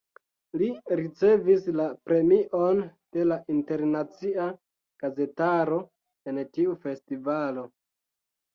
Li ricevis la premion de la internacia gazetaro en tiu festivalo.